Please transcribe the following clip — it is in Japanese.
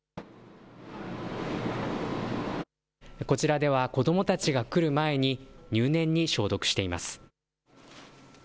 こちらでは、子どもたちが来る前に入念に消毒しています。